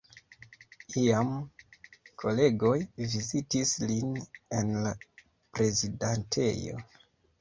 Iam kolegoj vizitis lin en la prezidentejo.